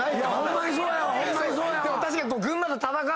ホンマにそうやわ。